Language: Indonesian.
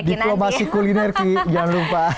diplomasi kulinerki jangan lupa